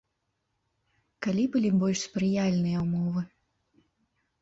Калі былі больш спрыяльныя ўмовы?